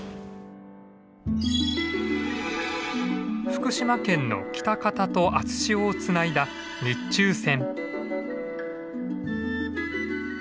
福島県の喜多方と熱塩をつないだ日中線。